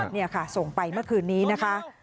นี่ค่ะส่งไปเมื่อคืนนี้นะคะ